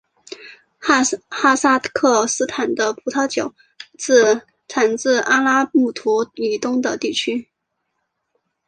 哈萨克斯坦的葡萄酒产自阿拉木图以东的山区。